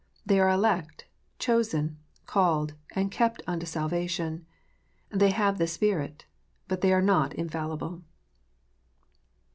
They are elect, chosen, called, and kept unto salvation. They have the Spirit. But they are not infallible.